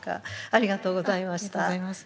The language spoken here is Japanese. ありがとうございます。